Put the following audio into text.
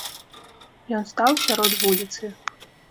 Ён стаў сярод вуліцы.